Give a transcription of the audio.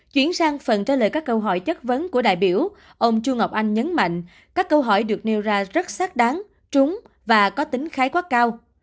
chuyển sang phần trả lời các câu hỏi chất vấn của đại biểu ông chu ngọc anh nhấn mạnh các câu hỏi được nêu ra rất xác đáng trúng và có tính khái quát cao